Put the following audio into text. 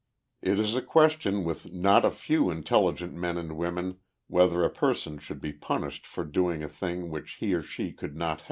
Jt is a question with not a few intelligent men and women whether a person should be punished for doing a thing which he or she could not help.